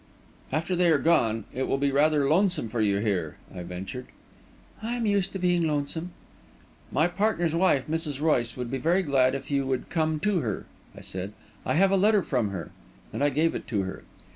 "After they are gone, it will be rather lonesome for you here," I ventured. "I am used to being lonesome." "My partner's wife, Mrs. Royce, would be very glad if you would come to her," I said. "I have a letter from her," and I gave it to her.